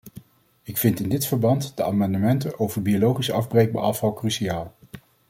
Ik vind in dit verband de amendementen over biologisch afbreekbaar afval cruciaal.